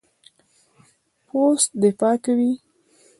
پوست دفاع کوي.